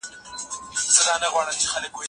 دا ستونزه د نړۍ په پوهنتونونو کي لیدل کېږي.